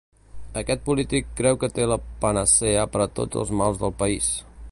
Aquest polític creu que té la panacea per a tots els mals del país.